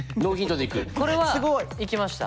これはいきました。